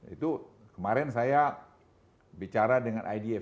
itu kemarin saya bicara dengan idf